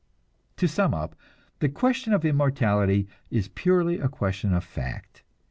To sum up, the question of immortality is purely a question of fact.